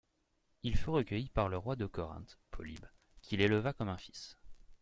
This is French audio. Il fut recueilli par le roi de Corinthe, Polybe, qui l'éleva comme un fils.